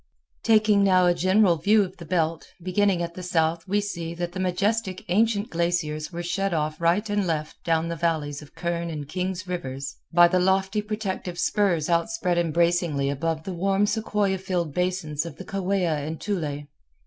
Taking now a general view of the belt, beginning at the south we see that the majestic ancient glaciers were shed off right and left down the valleys of Kern and Kings Rivers by the lofty protective spurs outspread embracingly above the warm sequoia filled basins of the Kaweah and Tule.